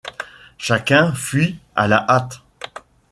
Chacun fuit à la hâte.